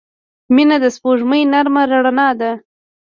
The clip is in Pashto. • مینه د سپوږمۍ نرمه رڼا ده.